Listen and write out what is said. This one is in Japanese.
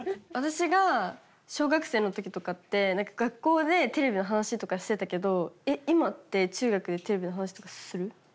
私が小学生の時とかって学校でテレビの話とかしてたけど今って中学でテレビの話とかする？